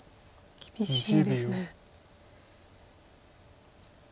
厳しいですね。